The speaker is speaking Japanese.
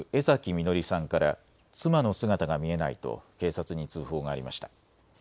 彌憲さんから妻の姿が見えないと警察に通報がありました。